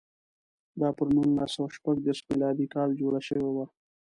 دا پر نولس سوه شپږ دېرش میلادي کال جوړه شوې وه.